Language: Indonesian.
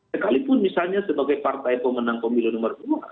sekalipun misalnya sebagai partai pemenang pemilu nomor dua